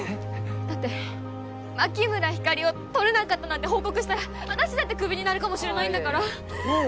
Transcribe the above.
だって牧村ひかりをとれなかったなんて報告したら私だってクビになるかもしれないんだからああ